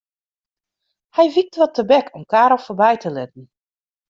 Hy wykt wat tebek om Karel foarby te litten.